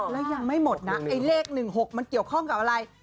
แล้วยังไม่หมดนะไอ้เลข๑๖มันเกี่ยวข้องกับอะไร